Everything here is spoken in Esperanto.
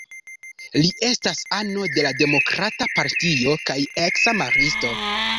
Li estas ano de la Demokrata Partio kaj eksa maristo.